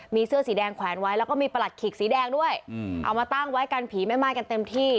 มีเสื้อสีแดงแขวนไว้แล้วก็มีประหลัดขิกสีแดงด้วยเอามาตั้งไว้กันผีแม่ไม้กันเต็มที่